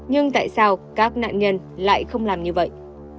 nhưng tại sao các nạn nhân lại không làm như vậy